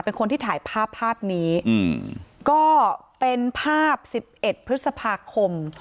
เป็นคนที่ถ่ายภาพภาพนี้ก็เป็นภาพสิบเอ็ดพฤษภาคม